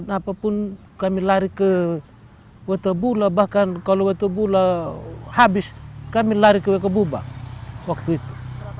apapun kami lari ke wetebula bahkan kalau wetebula habis kami lari ke buba waktu itu